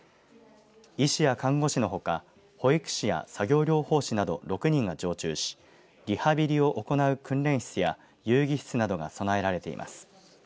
医師や看護師のほか保育士や作業療法士など６人が常駐しリハビリを行う訓練室や遊戯室などが備えられています。